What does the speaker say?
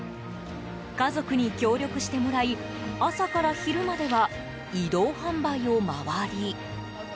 家族に協力してもらい朝から昼までは移動販売を回り。